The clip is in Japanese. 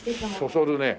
そそるね。